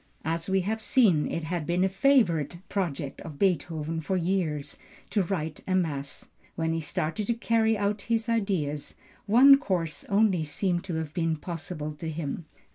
As we have seen, it had been a favorite project of Beethoven for years to write a mass. When he started to carry out his ideas, one course only seems to have been possible to him.